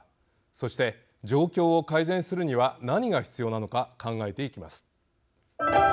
そして状況を改善するには何が必要なのか考えていきます。